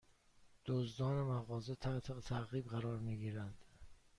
دزدان مغازه تحت تعقیب قرار می گیرند